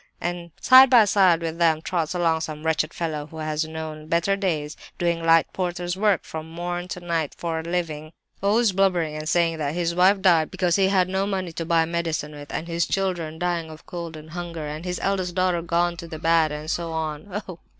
And side by side with them trots along some wretched fellow who has known better days, doing light porter's work from morn to night for a living, always blubbering and saying that 'his wife died because he had no money to buy medicine with,' and his children dying of cold and hunger, and his eldest daughter gone to the bad, and so on. Oh!